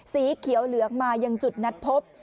สีเขียวเหลืองมายังจุดนัดพบ